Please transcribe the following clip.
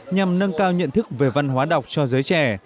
nhằm nâng cao nhận thức về văn hóa đọc cho giới trẻ